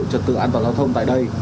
trật tự an toàn giao thông tại đây